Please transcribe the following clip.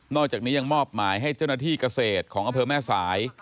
อกจากนี้ยังมอบหมายให้เจ้าหน้าที่เกษตรของอำเภอแม่สาย